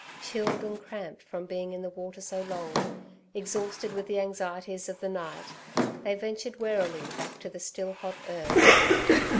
Chilled and cramped from being in the water so long, exhausted with the anxieties of the night, they ventured warily back to the still hot earth.